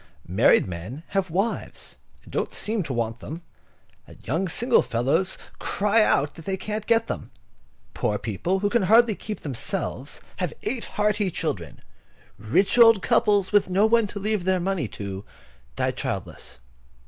Married men have wives, and don't seem to want them; and young single fellows cry out that they can't get them. Poor people who can hardly keep themselves have eight hearty children. Rich old couples, with no one to leave their money to, die childless.